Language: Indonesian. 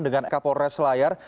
dengan kapolres selayar